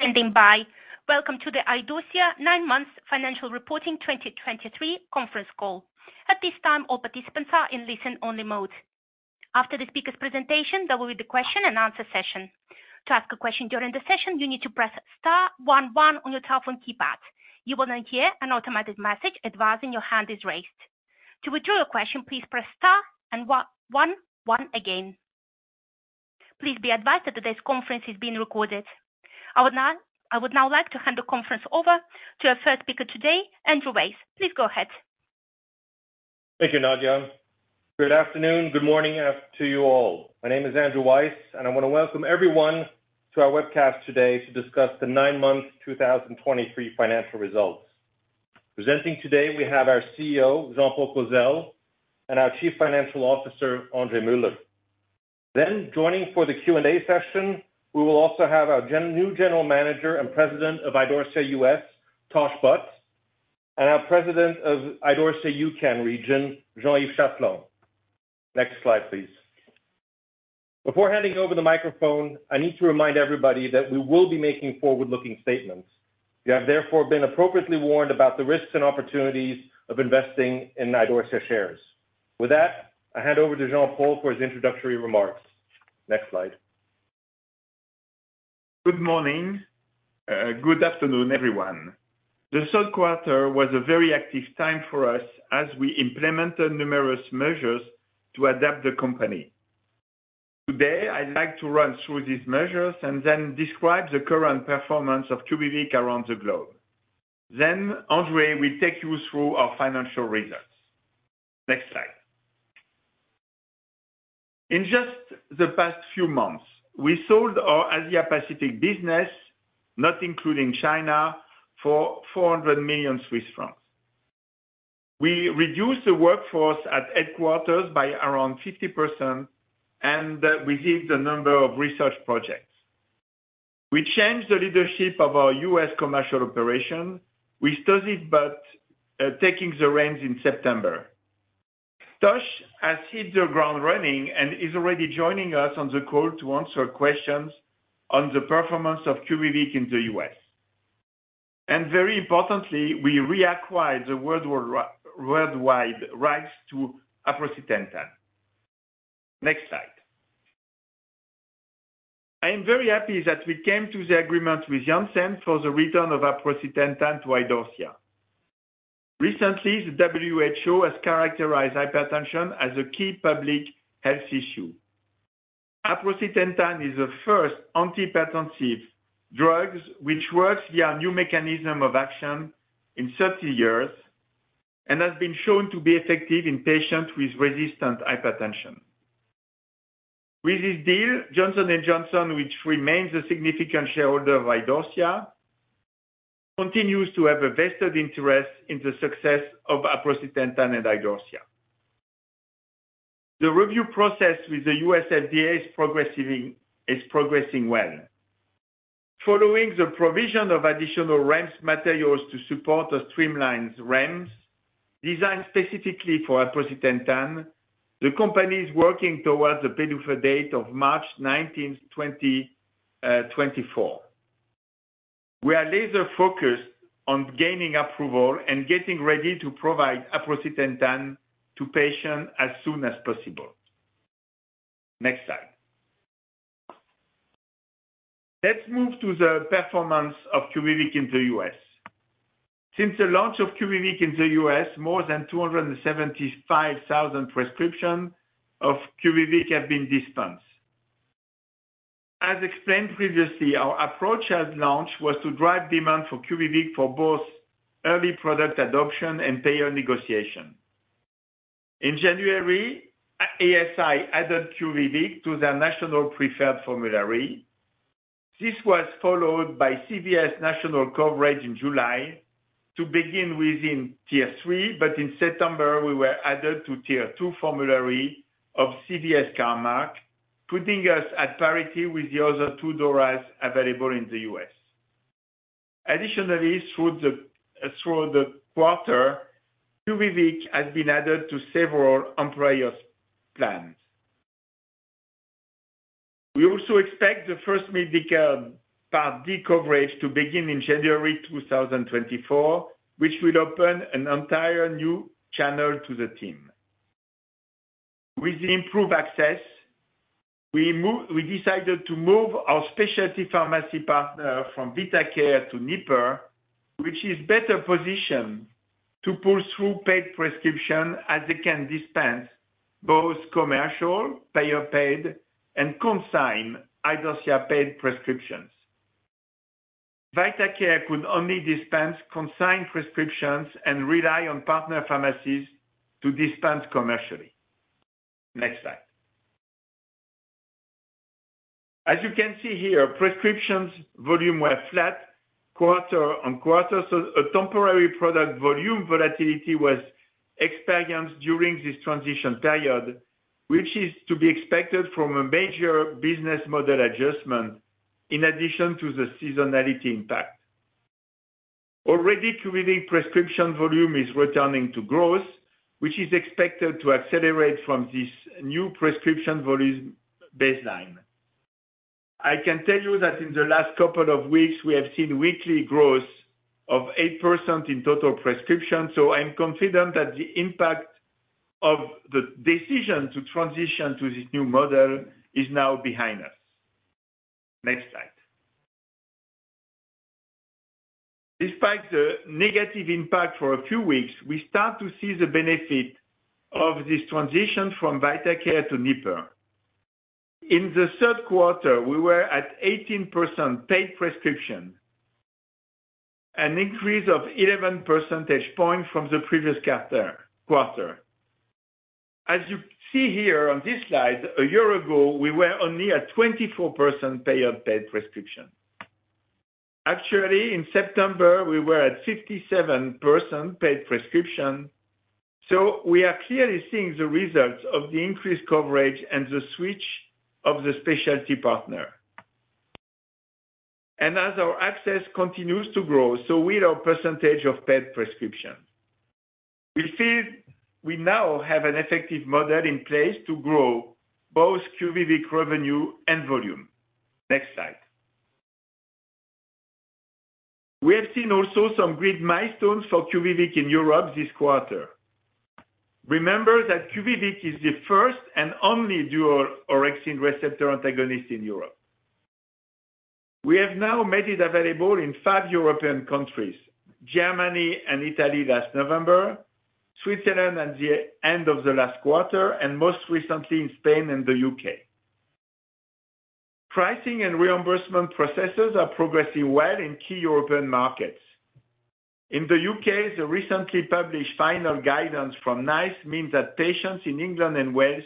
Standing by. Welcome to the Idorsia Nine Months Financial Reporting 2023 Conference Call. At this time, all participants are in listen-only mode. After the speaker's presentation, there will be the question and answer session. To ask a question during the session, you need to press star one one on your telephone keypad. You will then hear an automated message advising your hand is raised. To withdraw your question, please press star and one, one one again. Please be advised that today's conference is being recorded. I would now like to hand the conference over to our first speaker today, Andrew Weiss. Please go ahead. Thank you, Nadia. Good afternoon, good morning, to you all. My name is Andrew Weiss, and I want to welcome everyone to our webcast today to discuss the nine-month 2023 financial results. Presenting today, we have our CEO, Jean-Paul Clozel, and our Chief Financial Officer, André Muller. Then joining for the Q&A session, we will also have our new General Manager and President of Idorsia U.S., Tosh Butt, and our President of Idorsia U.K. region, Jean-Yves Chatelain. Next slide, please. Before handing over the microphone, I need to remind everybody that we will be making forward-looking statements. You have therefore been appropriately warned about the risks and opportunities of investing in Idorsia shares. With that, I hand over to Jean-Paul for his introductory remarks. Next slide. Good morning, good afternoon, everyone. The third quarter was a very active time for us as we implemented numerous measures to adapt the company. Today, I'd like to run through these measures and then describe the current performance of QUVIVIQ around the globe. Then André will take you through our financial results. Next slide. In just the past few months, we sold our Asia Pacific business, not including China, for 400 million Swiss francs. We reduced the workforce at headquarters by around 50%, and we reduced the number of research projects. We changed the leadership of our US commercial operation. We started by taking the reins in September. Tosh has hit the ground running and is already joining us on the call to answer questions on the performance of QUVIVIQ in the U.S. And very importantly, we reacquired the worldwide rights to aprocitentan. Next slide. I am very happy that we came to the agreement with Janssen for the return of aprocitentan to Idorsia. Recently, the WHO has characterized hypertension as a key public health issue. Aprocitentan is the first antihypertensive drugs, which works via a new mechanism of action in 30 years and has been shown to be effective in patients with resistant hypertension. With this deal, Johnson & Johnson, which remains a significant shareholder of Idorsia, continues to have a vested interest in the success of aprocitentan and Idorsia. The review process with the US FDA is progressing, is progressing well. Following the provision of additional REMS materials to support the streamlined REMS, designed specifically for aprocitentan, the company is working towards the PDUFA date of March 19, 2024. We are laser focused on gaining approval and getting ready to provide aprocitentan to patients as soon as possible. Next slide. Let's move to the performance of QUVIVIQ in the U.S. Since the launch of QUVIVIQ in the U.S., more than 275,000 prescriptions of QUVIVIQ have been dispensed. As explained previously, our approach at launch was to drive demand for QUVIVIQ for both early product adoption and payer negotiation. In January, ASI added QUVIVIQ to their national preferred formulary. This was followed by CVS National coverage in July to begin within Tier 3, but in September, we were added to Tier 2 formulary of CVS Caremark, putting us at parity with the other two DORAs available in the U.S. Additionally, through the quarter, QUVIVIQ has been added to several employers' plans. We also expect the first Medicare Part D coverage to begin in January 2024, which will open an entire new channel to the team. With the improved access, we decided to move our specialty pharmacy partner from VitaCare to KnippeRx, which is better positioned to pull through paid prescription as they can dispense both commercial, payer paid, and consigned Idorsia paid prescriptions. VitaCare could only dispense consigned prescriptions and rely on partner pharmacies to dispense commercially. Next slide. As you can see here, prescriptions volume were flat, quarter-on-quarter, so a temporary product volume volatility was experienced during this transition period, which is to be expected from a major business model adjustment in addition to the seasonality impact.... Already QUVIVIQ prescription volume is returning to growth, which is expected to accelerate from this new prescription volume baseline. I can tell you that in the last couple of weeks, we have seen weekly growth of 8% in total prescription, so I'm confident that the impact of the decision to transition to this new model is now behind us. Next slide. Despite the negative impact for a few weeks, we start to see the benefit of this transition from VitaCare to KnippeRx. In the third quarter, we were at 18% paid prescription, an increase of 11 percentage points from the previous quarter. As you see here on this slide, a year ago, we were only at 24% payer paid prescription. Actually, in September, we were at 57% paid prescription, so we are clearly seeing the results of the increased coverage and the switch of the specialty partner. And as our access continues to grow, so will our percentage of paid prescriptions. We feel we now have an effective model in place to grow both QUVIVIQ revenue and volume. Next slide. We have seen also some great milestones for QUVIVIQ in Europe this quarter. Remember that QUVIVIQ is the first and only dual orexin receptor antagonist in Europe. We have now made it available in five European countries, Germany and Italy last November, Switzerland at the end of the last quarter, and most recently in Spain and the U.K. Pricing and reimbursement processes are progressing well in key European markets. In the U.K., the recently published final guidance from NICE means that patients in England and Wales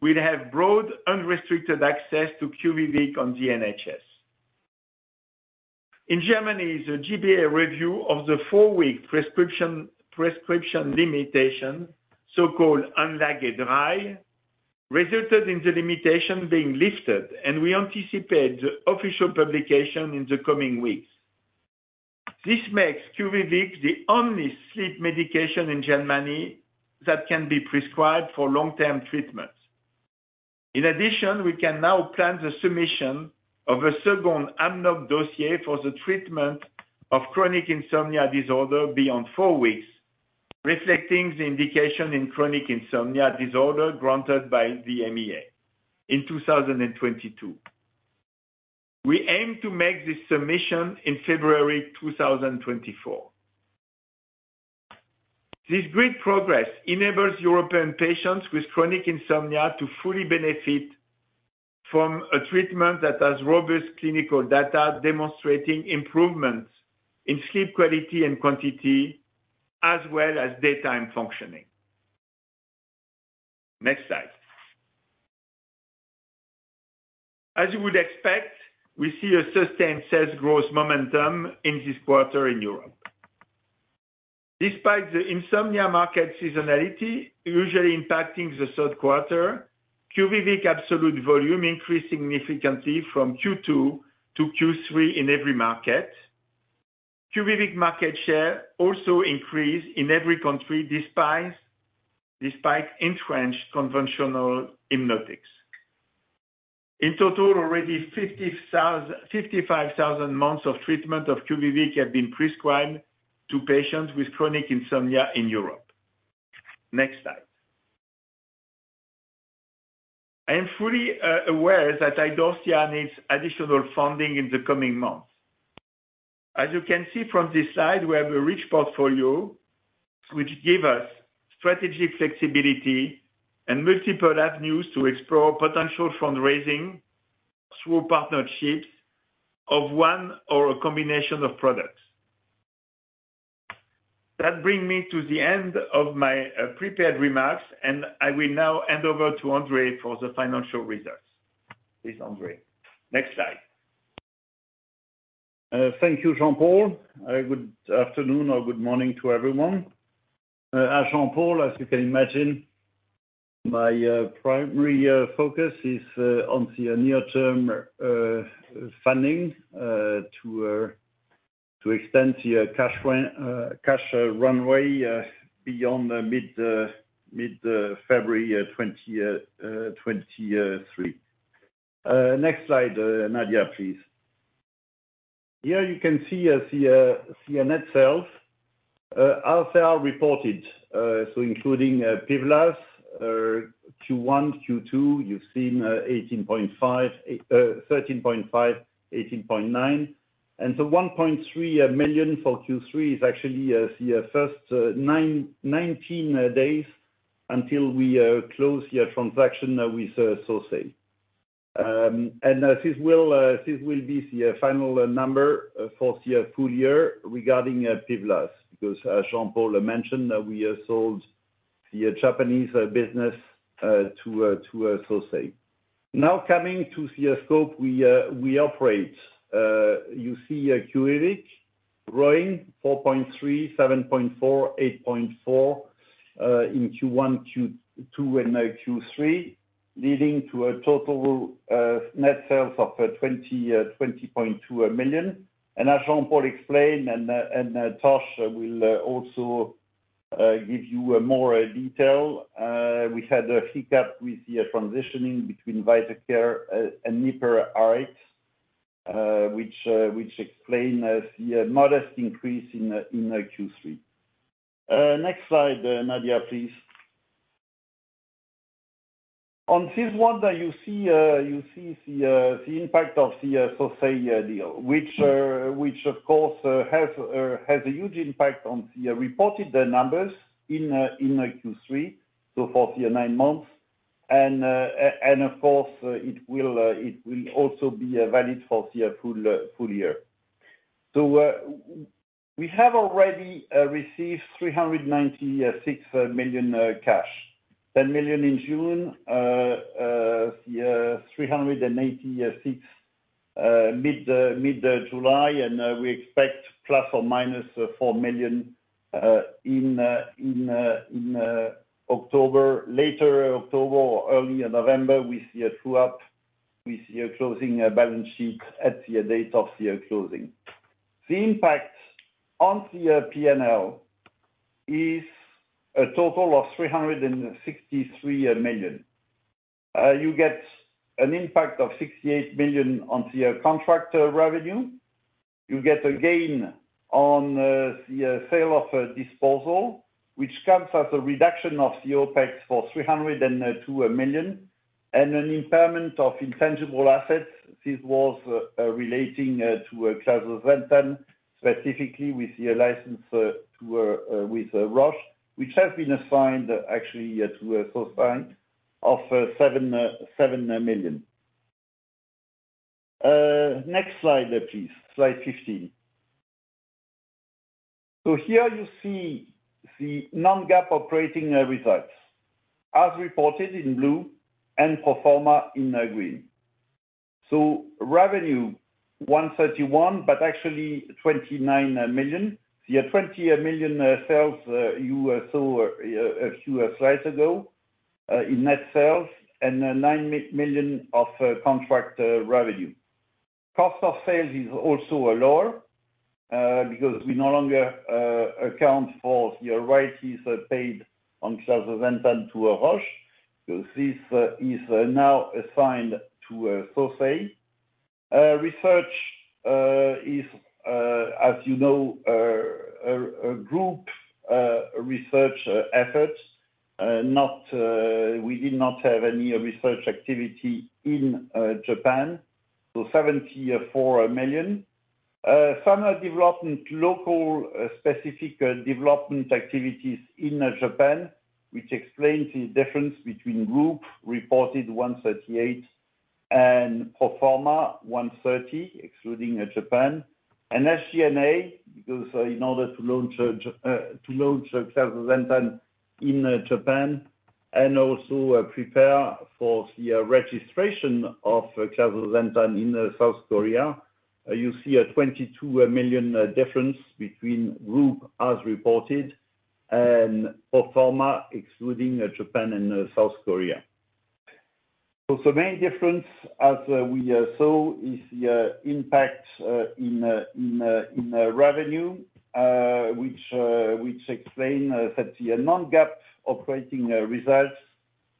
will have broad, unrestricted access to QUVIVIQ on the NHS. In Germany, the G-BA review of the four-week prescription, prescription limitation, so-called, resulted in the limitation being lifted, and we anticipate the official publication in the coming weeks. This makes QUVIVIQ the only sleep medication in Germany that can be prescribed for long-term treatment. In addition, we can now plan the submission of a second AMNOG dossier for the treatment of chronic insomnia disorder beyond four weeks, reflecting the indication in chronic insomnia disorder granted by the EMA in 2022. We aim to make this submission in February 2024. This great progress enables European patients with chronic insomnia to fully benefit from a treatment that has robust clinical data, demonstrating improvements in sleep quality and quantity, as well as daytime functioning. Next slide. As you would expect, we see a sustained sales growth momentum in this quarter in Europe. Despite the insomnia market seasonality usually impacting the third quarter, QUVIVIQ absolute volume increased significantly from Q2-Q3 in every market. QUVIVIQ market share also increased in every country, despite entrenched conventional hypnotics. In total, already 55,000 months of treatment of QUVIVIQ have been prescribed to patients with chronic insomnia in Europe. Next slide. I am fully aware that Idorsia needs additional funding in the coming months. As you can see from this slide, we have a rich portfolio, which give us strategic flexibility and multiple avenues to explore potential fundraising through partnerships of one or a combination of products. That bring me to the end of my prepared remarks, and I will now hand over to André for the financial results. Please, André, next slide. Thank you, Jean-Paul. Good afternoon or good morning to everyone. As Jean-Paul, as you can imagine, my primary focus is on the near-term funding to extend the cash runway beyond mid February 2023. Next slide, Nadia, please. Here you can see the net sales as are reported, so including PIVLAZ, Q1, Q2, you've seen 18.5 million, 13.5 million, 18.9 million, and the 1.3 million for Q3 is actually the first 19 days until we close the transaction with Sosei. And this will be the final number for the full year regarding PIVLAZ, because as Jean-Paul mentioned, we have sold the Japanese business to Sosei. Now, coming to the scope we operate, you see QUVIVIQ growing 4.3, 7.4, 8.4 in Q1, Q2, and now Q3, leading to a total net sales of 20.2 million. And as Jean-Paul explained, and Tosh will also give you more detail, we had a hiccup with the transitioning between VitaCare and KnippeRx, which explain the modest increase in Q3. Next slide, Nadia, please. On this one that you see, you see the impact of the Sosei deal, which, of course, has a huge impact on the reported numbers in Q3, so for the nine months. Of course, it will also be valid for the full year. So, we have already received 396 million cash. 10 million in June, yeah, 386 million mid-July, and we expect ± 4 million in October. Later October or early November, we see a true-up with your closing balance sheet at the date of the closing. The impact on the P&L is a total of 363 million. You get an impact of 68 million on the contract revenue. You get a gain on the sale of a disposal, which comes as a reduction of the OpEx for 302 million, and an impairment of intangible assets. This was relating to a clazosentan, specifically with your license to Roche, which has been assigned actually to Sosei of 7 million. Next slide, please, Slide 15. So here you see the non-GAAP operating results as reported in blue and pro forma in green. So revenue 131, but actually 29 million. The 20 million sales you saw a few slides ago in net sales and 9 million of contract revenue. Cost of sales is also lower because we no longer account for the rights fees are paid on clazosentan to Roche because this is now assigned to Sosei. Research is as you know group research efforts we did not have any research activity in Japan so 74 million. SG&A development local specific development activities in Japan which explains the difference between group reported 138 and pro forma 130 excluding Japan. And SG&A, because in order to launch clazosentan in Japan and also prepare for the registration of clazosentan in South Korea, you see a 22 million difference between group as reported and pro forma, excluding Japan and South Korea. So the main difference, as we saw, is the impact in revenue, which which explain that the non-GAAP operating results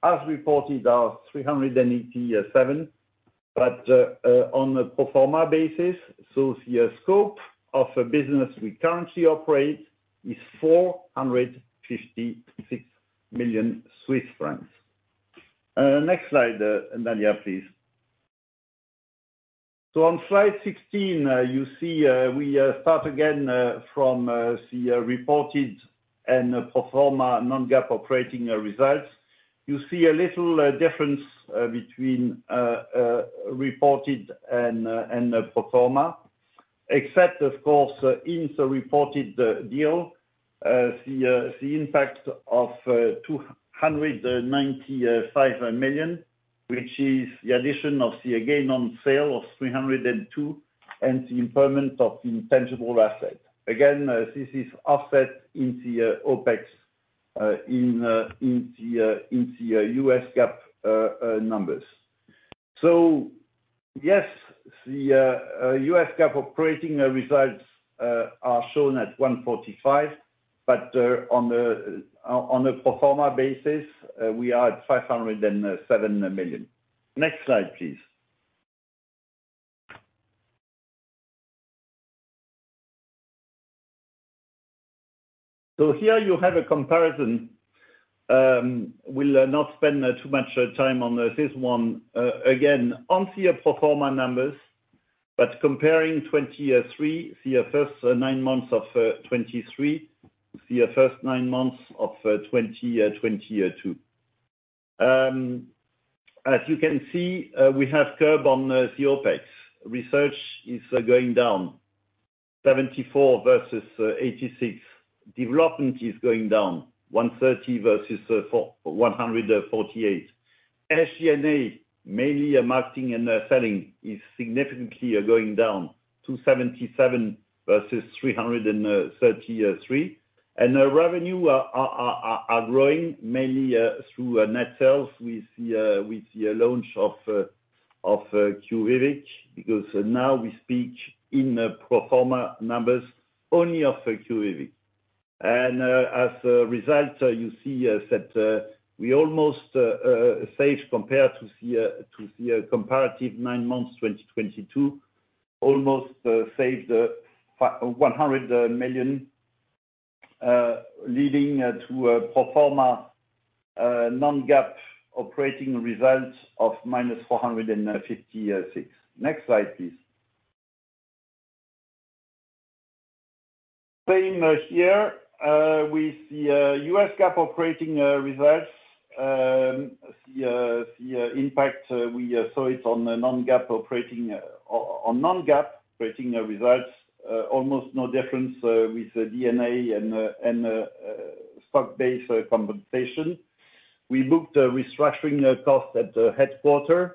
as reported are 387, but on a pro forma basis, so the scope of a business we currently operate is 456 million Swiss francs. Next slide, Nadia, please. So on slide 16, you see we start again from the reported and pro forma non-GAAP operating results. You see a little difference between reported and pro forma, except of course, in the reported the deal, the impact of 295 million, which is the addition of the, again, on sale of 302 million, and the impairment of the intangible asset. Again, this is offset into your OpEx, in U.S. GAAP numbers. Yes, the U.S. GAAP operating results are shown at 145 million, but on a pro forma basis, we are at 507 million. Next slide, please. Here you have a comparison. We'll not spend too much time on this one. Again, on the pro forma numbers, but comparing 2023, the first nine months of 2023, the first nine months of 2022. As you can see, we have curb on the OpEx. Research is going down 74 million versus 86 million. Development is going down 130 million versus 148 million. SG&A, mainly marketing and selling is significantly going down to 77 million versus 333 million. And our revenue are growing mainly through net sales with the launch of QUVIVIQ, because now we speak in the pro forma numbers only of QUVIVIQ. As a result, you see that we almost saved compared to the comparative nine months, 2022, almost saved 100 million, leading to a pro forma non-GAAP operating results of -456 million. Next slide, please. Same here with the U.S. GAAP operating results. The impact we saw on non-GAAP operating results almost no difference with the R&D and stock-based compensation. We booked a restructuring cost at the headquarters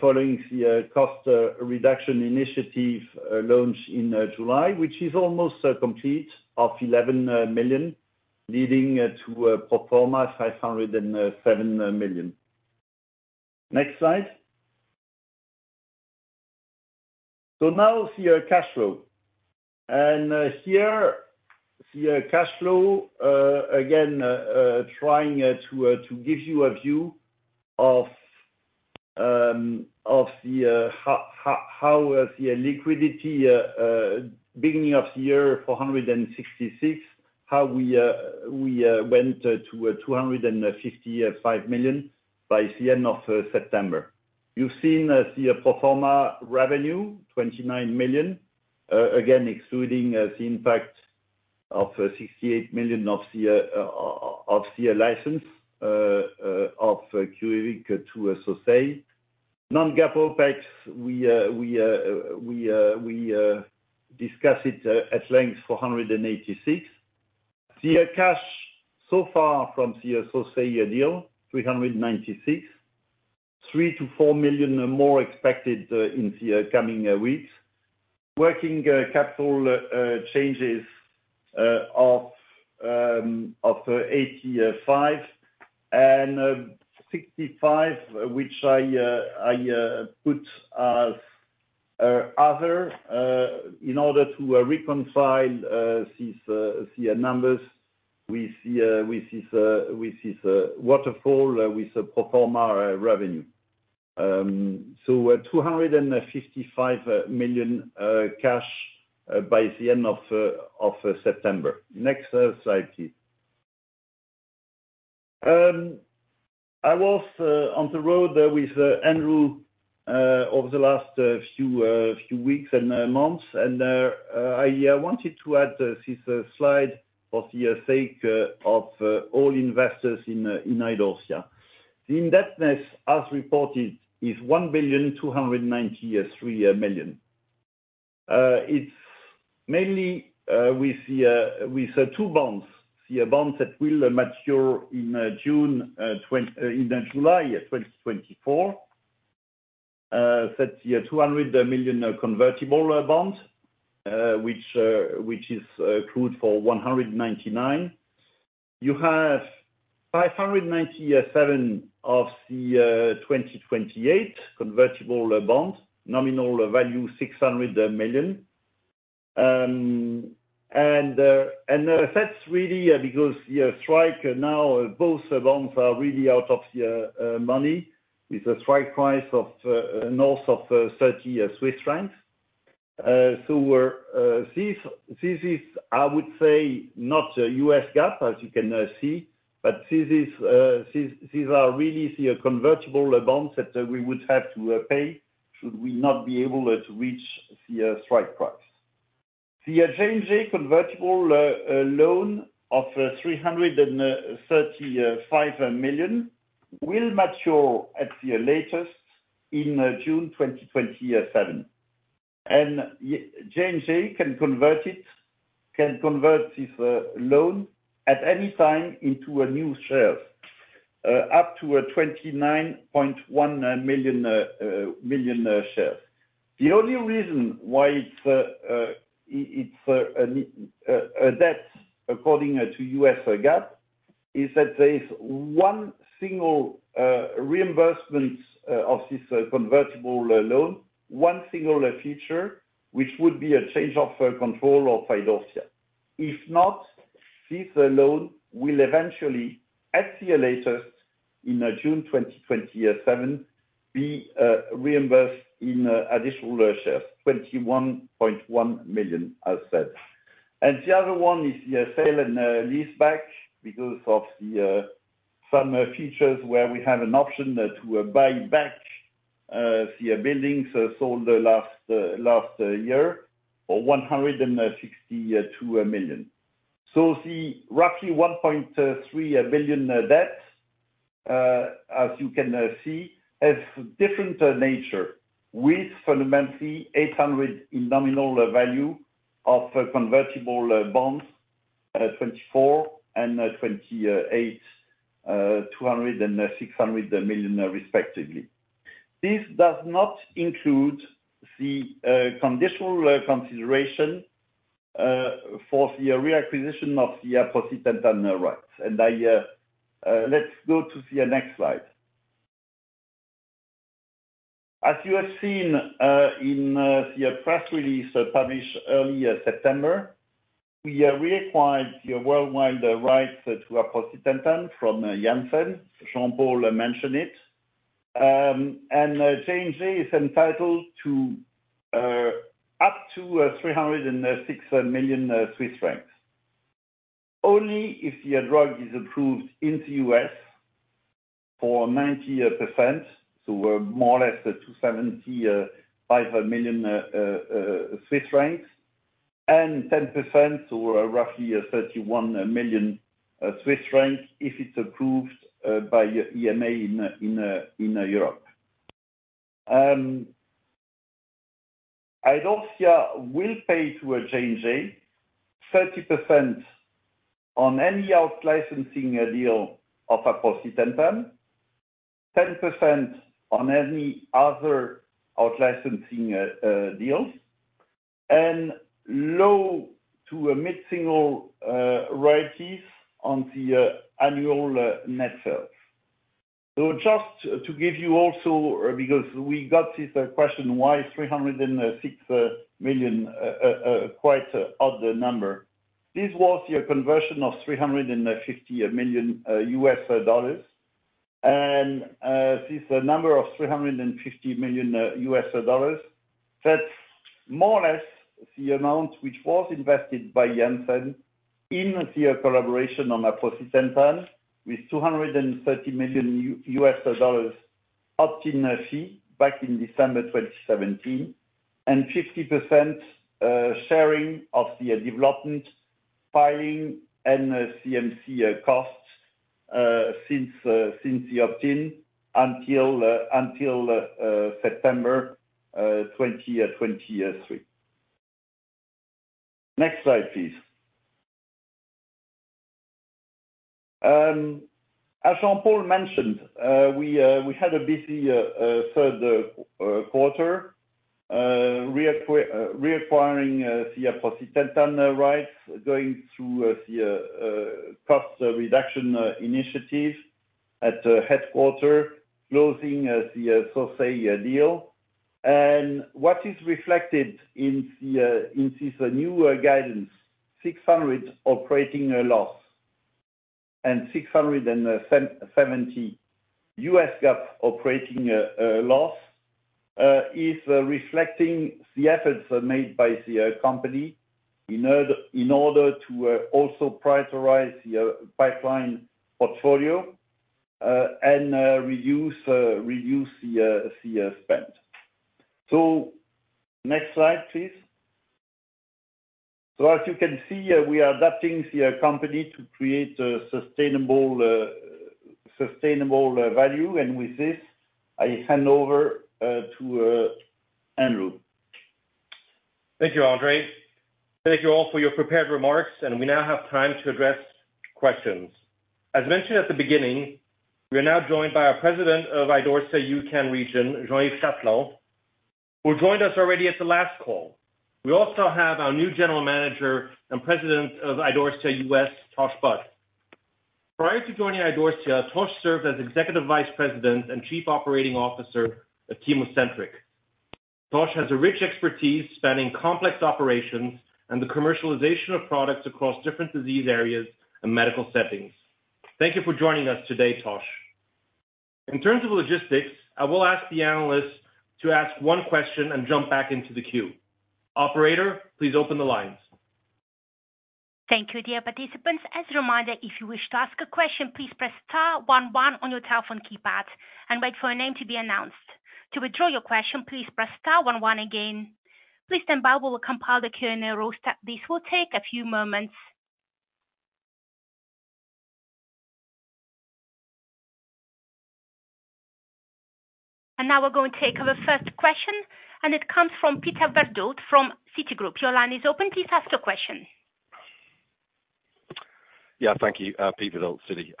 following the cost reduction initiative launch in July, which is almost complete of 11 million, leading to a pro forma 507 million. Next slide. So now the cash flow. Here, the cash flow again, trying to give you a view of how the liquidity beginning of the year, 466 million, how we went to 255 million by the end of September. You've seen the pro forma revenue, 29 million, again, excluding the impact of 68 million of the license of QUVIVIQ to Sosei. Non-GAAP OpEx, we discuss it at length, 486 million. The cash so far from the Sosei deal, 396 million. 3 million-4 million more expected in the coming weeks. Working capital changes of 85 and 65, which I put as other in order to reconcile these numbers with this waterfall with the pro forma revenue. So, 255 million cash by the end of September. Next slide, please. I was on the road with Andrew over the last few weeks and I wanted to add this slide for the sake of all investors in Idorsia. The indebtedness, as reported, is 1,293 million. It's mainly with the two bonds, the bonds that will mature in July 2024. That's the 200 million convertible bond, which is accrued for 199. You have 597 of the 2028 convertible bond, nominal value, 600 million. And that's really because the strike now, both bonds are really out of the money with a strike price of north of 30 Swiss francs. So this is, I would say, not a U.S. GAAP, as you can see, but this is these are really the convertible bonds that we would have to pay should we not be able to reach the strike price. The J&J convertible loan of 335 million will mature at the latest in June 2027. J&J can convert this loan at any time into a new share, up to 29.1 million shares. The only reason why it's a debt, according to US GAAP, is that there is one single reimbursement of this convertible loan, one single feature, which would be a change of control of Idorsia. If not, this loan will eventually, at the latest, in June 2027, be reimbursed in additional share, 21.1 million, as said. The other one is the sale and leaseback because of some features where we have an option to buy back the buildings sold last year for 162 million. The roughly 1.3 billion debt, as you can see, has different nature with fundamentally 800 million in nominal value of convertible bonds. 2024 and 2028, 200 million and 600 million, respectively. This does not include the conditional consideration for the reacquisition of the aprocitentan rights. Let's go to the next slide. As you have seen, in the press release published early September, we reacquired the worldwide rights to aprocitentan from Janssen. Jean-Paul mentioned it. JNJ is entitled to up to 306 million Swiss francs. Only if the drug is approved in the U.S. for 90%, so more or less 275 million Swiss francs, and 10%, or roughly 31 million Swiss francs, if it's approved by EMA in Europe. Idorsia will pay to JNJ 30% on any out-licensing deal of aprocitentan, 10% on any other out-licensing deals, and low- to mid-single royalties on the annual net sales. So just to give you also, because we got this question, why 306 million, quite an odd number? This was the conversion of $350 million. This number of $350 million, that's more or less the amount which was invested by Janssen in the collaboration on aprocitentan, with $230 million opt-in fee back in December 2017, and 50% sharing of the development filing and CMC costs, since the opt-in until September 2023. Next slide, please. As Jean-Paul mentioned, we had a busy third quarter, reacquiring the aprocitentan rights, going through the cost reduction initiative at the headquarter, closing the Sosei deal. What is reflected in this newer guidance, 600 million operating loss and 670 million US GAAP operating loss, is reflecting the efforts made by the company in order to also prioritize the pipeline portfolio and reduce the spend. So next slide, please. So as you can see, we are adapting the company to create a sustainable value. And with this, I hand over to Andrew. Thank you, André. Thank you all for your prepared remarks, and we now have time to address questions. As mentioned at the beginning, we are now joined by our President of Idorsia U.K. region, Jean-Yves Chatelain, who joined us already at the last call. We also have our new General Manager and President of Idorsia U.S., Tosh Butt. Prior to joining Idorsia, Tosh served as Executive Vice President and Chief Operating Officer of ChemoCentryx. Tosh has a rich expertise spanning complex operations and the commercialization of products across different disease areas and medical settings. Thank you for joining us today, Tosh. In terms of logistics, I will ask the analysts to ask one question and jump back into the queue. Operator, please open the lines. Thank you, dear participants. As a reminder, if you wish to ask a question, please press star one one on your telephone keypad and wait for your name to be announced. To withdraw your question, please press star one one again. Please stand by, we will compile the Q&A roster. This will take a few moments. Now we're going to take our first question, and it comes from Peter Verdult from Citigroup. Your line is open. Please ask your question. Yeah. Thank you, Peter Verdult, Citi.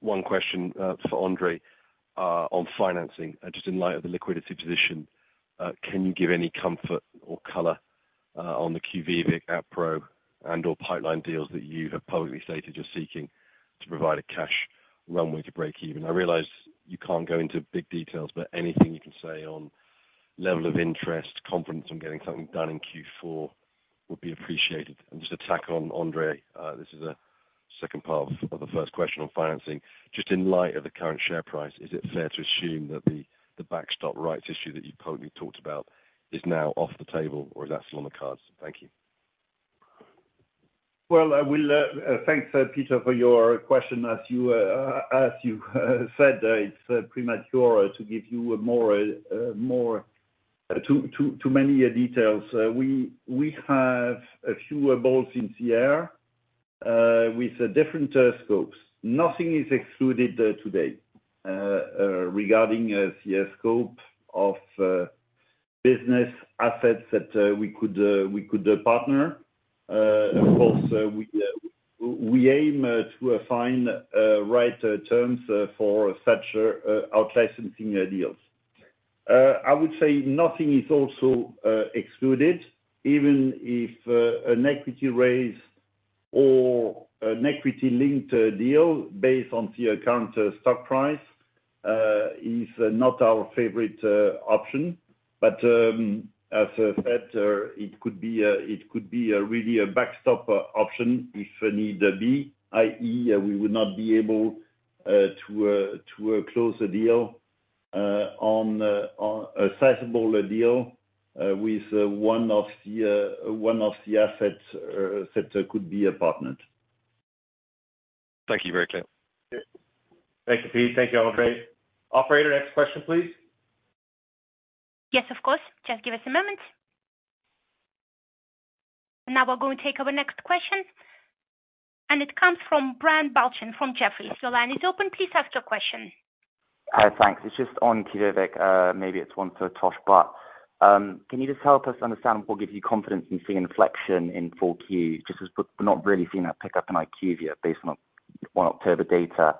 One question, for Andre, on financing. Just in light of the liquidity position, can you give any comfort or color, on the QV, AppPro, and/or pipeline deals that you have publicly stated you're seeking to provide a cash runway to break even? I realize you can't go into big details, but anything you can say on level of interest, confidence on getting something done in Q4 will be appreciated. And just to tack on, Andre, this is a second part of the first question on financing. Just in light of the current share price, is it fair to assume that the backstop rights issue that you publicly talked about is now off the table, or is that still on the cards? Thank you. Well, thanks, Peter, for your question. As you said, it's premature to give you too many details. We have a few balls in the air with different scopes. Nothing is excluded today regarding the scope of... business assets that we could partner. Of course, we aim to find right terms for such outlicensing deals. I would say nothing is also excluded, even if an equity raise or an equity linked deal based on the current stock price is not our favorite option. But, as I said, it could be really a backstop option if need be, i.e., we would not be able to close a deal on a sizable deal with one of the assets that could be a partner. Thank you. Very clear. Thank you, Pete. Thank you, André. Operator, next question, please. Yes, of course. Just give us a moment. Now we're going to take our next question, and it comes from Brian Balchin, from Jefferies. Your line is open, please ask your question. Thanks. It's just on QUVIVIQ. Maybe it's one for Tosh, but can you just help us understand what gives you confidence in seeing inflection in Q4, just as we're not really seeing that pick up in IQVIA based on early October data?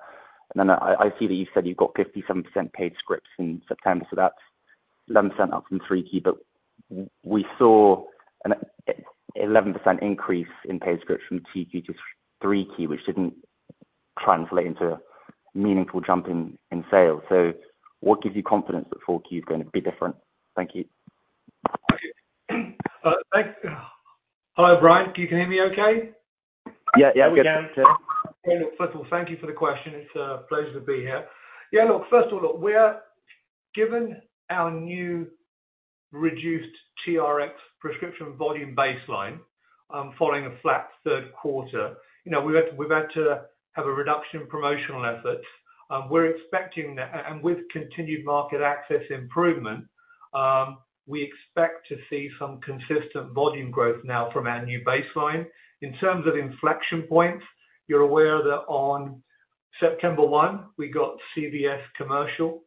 And then I see that you said you've got 57% paid scripts in September, so that's 11% up from Q3. But we saw an 11% increase in paid scripts from Q2 to Q3, which didn't translate into meaningful jump in sales. So what gives you confidence that Q4 is going to be different? Thank you. Hi, Brian. You can hear me okay? Yeah. Yeah. We can. First of all, thank you for the question. It's a pleasure to be here. Yeah, look, first of all, look, we're given our new reduced TRX prescription volume baseline, following a flat third quarter, you know, we've had to have a reduction in promotional efforts. We're expecting that and with continued market access improvement, we expect to see some consistent volume growth now from our new baseline. In terms of inflection points, you're aware that on September 1, we got CVS Commercial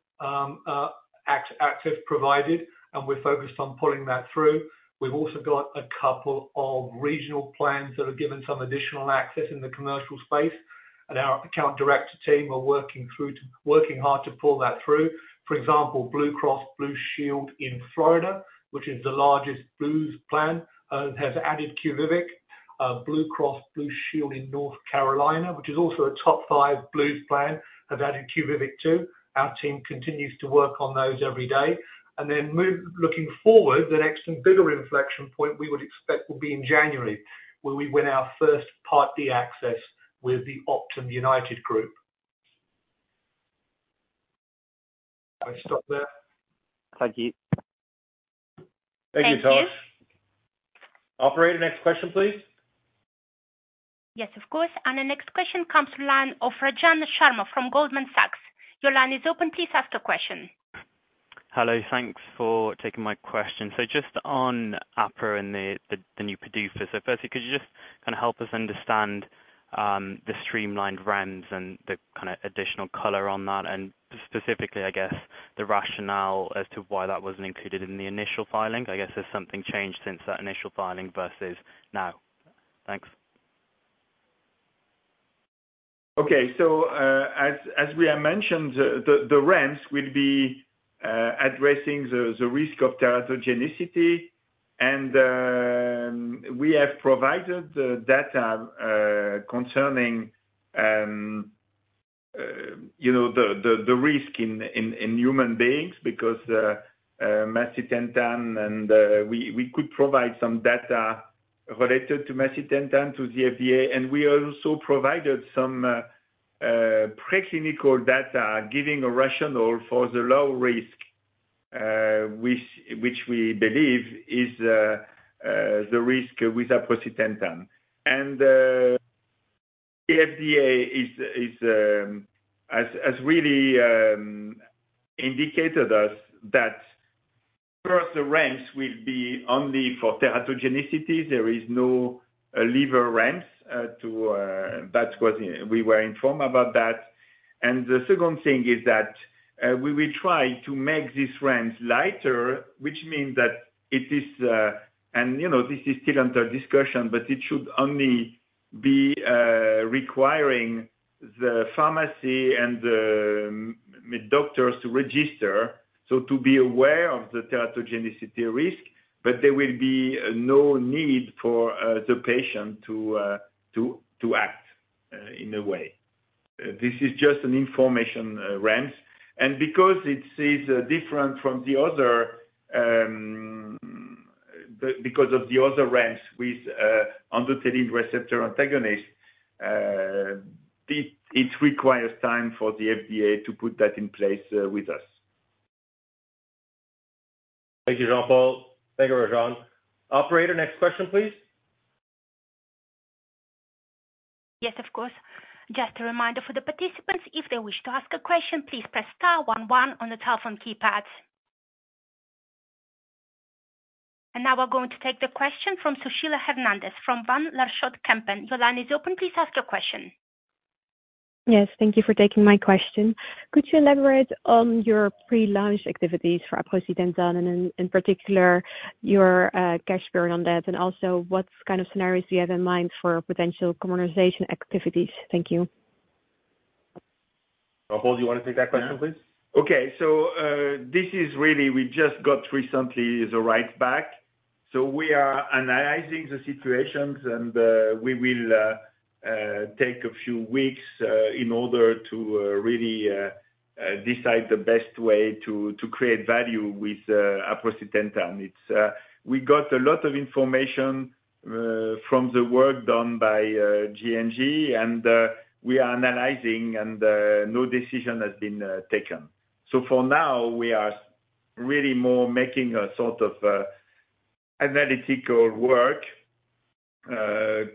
access provided, and we're focused on pulling that through. We've also got a couple of regional plans that have given some additional access in the commercial space, and our account director team are working hard to pull that through. For example, Blue Cross Blue Shield in Florida, which is the largest Blues plan, has added QUVIVIQ. Blue Cross Blue Shield in North Carolina, which is also a top five Blues plan, have added QUVIVIQ, too. Our team continues to work on those every day. And then looking forward, the next and bigger inflection point we would expect will be in January, where we win our first Part D access with the Optum United group. I stop there? Thank you. Thank you, Tosh. Thank you. Operator, next question, please. Yes, of course. And the next question comes from the line of Rajan Sharma from Goldman Sachs. Your line is open, please ask the question. Hello, thanks for taking my question. So just on aprocitentan and the new PDUFA. So firstly, could you just kind of help us understand, the streamlined REMS and the kind of additional color on that, and specifically, I guess, the rationale as to why that wasn't included in the initial filing? I guess if something changed since that initial filing versus now. Thanks. Okay. So, as we have mentioned, the REMS will be addressing the risk of teratogenicity. And, we have provided the data concerning you know the risk in human beings because macitentan, and we could provide some data related to macitentan to the FDA. And we also provided some preclinical data, giving a rationale for the low risk, which we believe is the risk with aprocitentan. And, the FDA has really indicated us that first, the REMS will be only for teratogenicity. There is no liver REMS, that was we were informed about that. The second thing is that we will try to make this REMS lighter, which means that it is, and, you know, this is still under discussion, but it should only be requiring the pharmacy and the doctors to register, so to be aware of the teratogenicity risk. But there will be no need for the patient to act in a way. This is just an information REMS. And because it is different from the other because of the other REMS with androgen receptor antagonist, it requires time for the FDA to put that in place with us. Thank you, Jean-Paul. Thank you, Rajan. Operator, next question, please. Yes, of course. Just a reminder for the participants, if they wish to ask a question, please press star one one on the telephone keypads. Now we're going to take the question from Sushila Hernandez, from Van Lanschot Kempen. Your line is open, please ask your question. ... Yes, thank you for taking my question. Could you elaborate on your pre-launch activities for aprocitentan, and in particular, your cash burn on that? And also, what kind of scenarios do you have in mind for potential commercialization activities? Thank you. Jean-Paul, do you want to take that question, please? Okay. So, this is really, we just got recently the rights back. So we are analyzing the situations, and we will take a few weeks in order to really decide the best way to create value with aprocitentan. It's, we got a lot of information from the work done by Janssen, and we are analyzing, and no decision has been taken. So for now, we are really more making a sort of analytical work,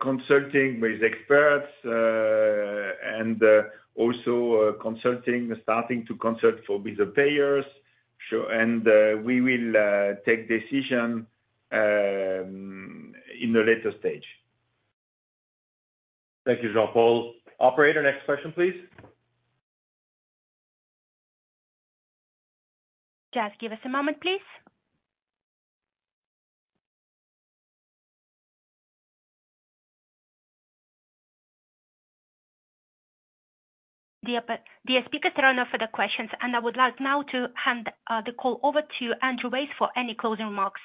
consulting with experts, and also starting to consult for with the payers. So, and we will take decision in a later stage. Thank you, Jean-Paul. Operator, next question, please? Just give us a moment, please. The speakers are now for the questions, and I would like now to hand the call over to Andrew Weiss for any closing remarks.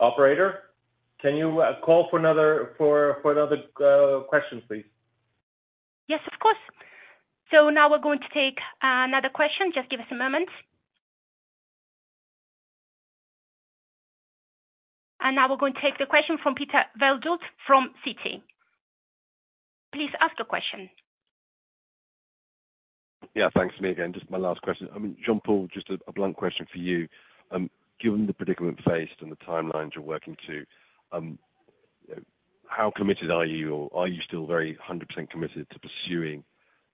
Operator, can you call for another question, please? Yes, of course. So now we're going to take another question. Just give us a moment. Now we're going to take the question from Peter Verdult, from Citi. Please ask the question. Yeah, thanks. Me again, just my last question. I mean, Jean-Paul, just a blunt question for you. Given the predicament faced and the timelines you're working to, how committed are you, or are you still very 100% committed to pursuing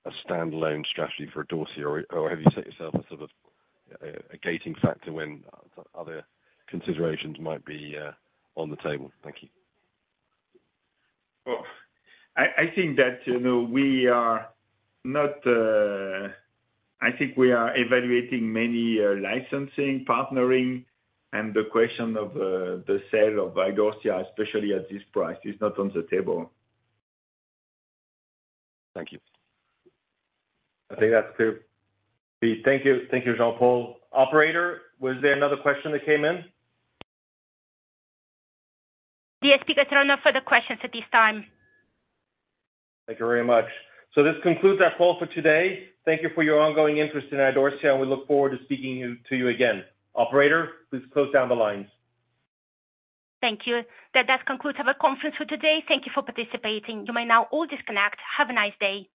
a standalone strategy for Idorsia, or have you set yourself a sort of a gating factor when other considerations might be on the table? Thank you. Well, I think that, you know, we are not. I think we are evaluating many licensing, partnering, and the question of the sale of Idorsia, especially at this price, is not on the table. Thank you. I think that's clear. Thank you. Thank you, Jean-Paul. Operator, was there another question that came in? There are no further questions at this time. Thank you very much. So this concludes our call for today. Thank you for your ongoing interest in Idorsia, and we look forward to speaking to you again. Operator, please close down the lines. Thank you. That concludes our conference for today. Thank you for participating. You may now all disconnect. Have a nice day.